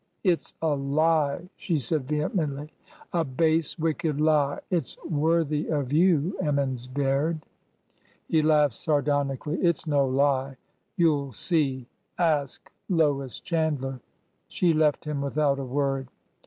^Ht 's a lie!" she said vehemently. ''A base, wicked lie! It's worthy of you, Emmons Baird!" He laughed sardonically. " It 's no lie. You 'll see. Ask— Lois Chandler !" She left him without a word.